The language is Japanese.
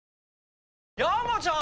山ちゃん！